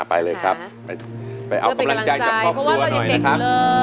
ไปเลยครับไปเอากำลังใจกับครอบครัวหน่อยนะคะ